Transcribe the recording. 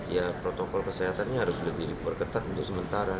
ya protokol kesehatannya harus lebih diperketat untuk sementara